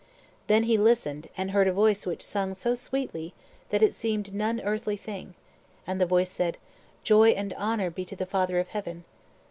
Then he listened, and heard a voice which sung so sweetly that it seemed none earthly thing; and the voice said, "Joy and honor be to the Father of heaven."